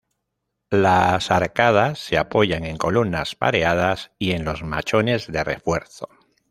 Las arcadas se apoyan en columnas pareadas y en los machones de refuerzo.